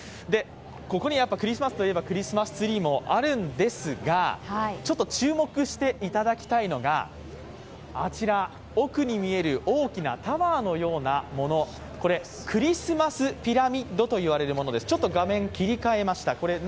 ここにクリスマスといえば、クリスマスツリーもあるんですが、ちょっと注目していただきたいのが奥に見える大きなタワーのようなもの、これ、クリスマスピラミッドというものです。